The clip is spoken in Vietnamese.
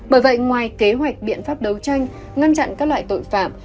bởi vậy ngoài kế hoạch biện pháp đấu tranh ngăn chặn các loại tội phạm